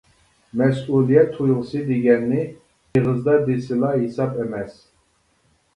مەسئۇلىيەت تۇيغۇسى دېگەننى ئېغىزدا دېسىلا ھېساب ئەمەس.